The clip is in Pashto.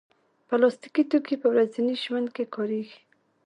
پلاستيکي توکي په ورځني ژوند کې کارېږي.